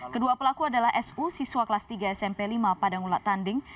kedua pelaku adalah su siswa kelas tiga smp lima padangula tanding